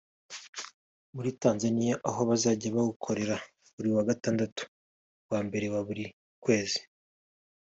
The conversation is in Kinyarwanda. muri Tanzania ho bazajya bawukora buri wa gatandatu wa mbere wa buri kwezi